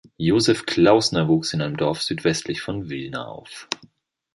Joseph Klausner wuchs in einem Dorf südwestlich von Wilna auf.